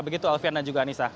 begitu alfian dan juga anissa